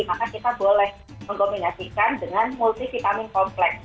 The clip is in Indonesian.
maka kita boleh mengkombinasikan dengan multivitamin kompleks